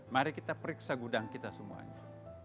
mari kita periksa gudang kita semuanya